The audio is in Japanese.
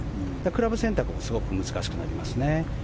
クラブ選択はすごく難しくなりますね。